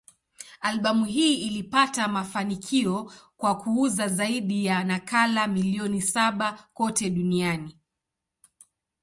Albamu hii ilipata mafanikio kwa kuuza zaidi ya nakala milioni saba kote duniani.